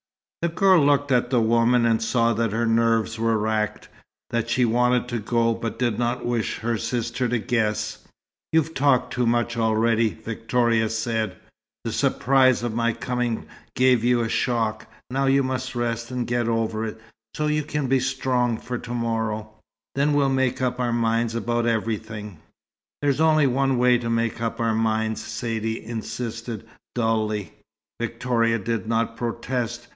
The girl looked at the woman, and saw that her nerves were racked; that she wanted to go, but did not wish her sister to guess. "You've talked too much already," Victoria said. "The surprise of my coming gave you a shock. Now you must rest and get over it, so you can be strong for to morrow. Then we'll make up our minds about everything." "There's only one way to make up our minds," Saidee insisted, dully. Victoria did not protest.